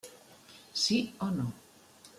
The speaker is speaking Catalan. Sí o no.